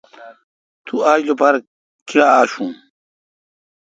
تو آج لوپار کاں آشو۔